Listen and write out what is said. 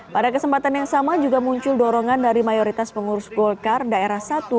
pada kesempatan yang sama juga muncul dorongan dari mayoritas pengurus golkar daerah satu